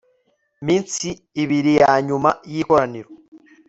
minsi ibiri ya nyuma y ikoraniro